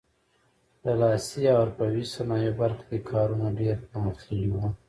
د لاسي او حرفوي صنایعو برخه کې کارونه ډېر پرمختللي وو.